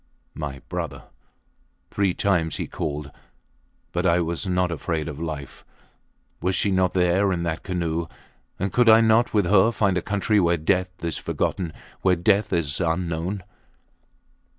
... My brother! Three times he called but I was not afraid of life. Was she not there in that canoe? And could I not with her find a country where death is forgotten where death is unknown!